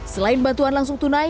selain bantuan langsung tunai